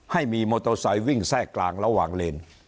ให้มีมอเตอร์ไซค์วิ่งแทรกกลางระหว่างเลน